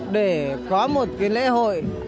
để có một cái lễ hội